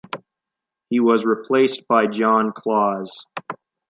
He was replaced by John Claus.